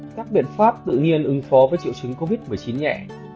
các biện pháp tự nhiên ứng phó với triệu chứng covid một mươi chín nhẹ